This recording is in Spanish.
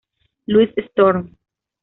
Louis Storm.